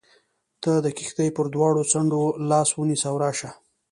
ته د کښتۍ پر دواړو څنډو لاس ونیسه او راشه.